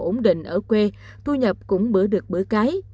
ổn định ở quê thu nhập cũng bữa được bữa cái